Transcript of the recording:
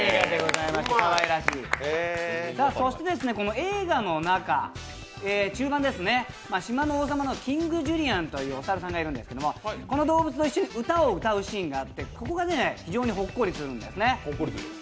映画の中盤、島の王様のキング・ジュリアンという王様がいるんですけどこの動物と一緒に歌を歌うシーンがあって、ここが非常にほっこりするんです。